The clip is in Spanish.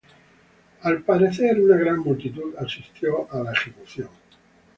Al parecer, una gran multitud asistió a la ejecución.